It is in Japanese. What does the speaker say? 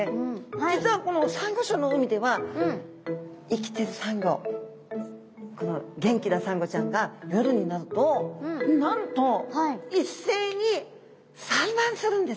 実はこのサンゴ礁の海では生きてるサンゴこの元気なサンゴちゃんが夜になるとなんと一斉に産卵するんですね。